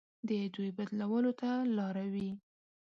د دوی بدلولو ته لاره وي.